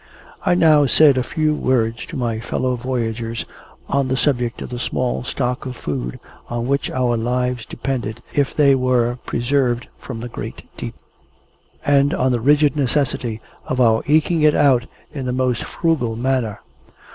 I now said a few words to my fellow voyagers on the subject of the small stock of food on which our lives depended if they were preserved from the great deep, and on the rigid necessity of our eking it out in the most frugal manner.